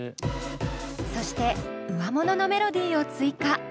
そして上もののメロディーを追加。